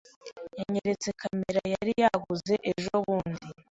Yanyeretse kamera yari yaguze ejobundi.